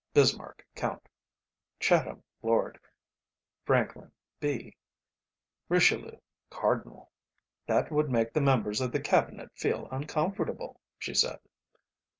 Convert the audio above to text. Bismarck, Count; Chatham, Lord; Franklin, B; Richelieu, Cardinal." "That would make the members of the Cabinet feel uncomfortable," she said.